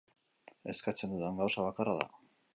Eskatzen dudan gauza bakarra da.